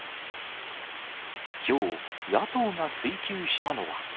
きょう、野党が追及したのは。